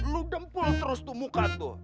lu dempul terus tuh muka tuh